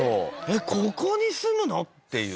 ここに住むの！？っていう。